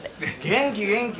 元気元気。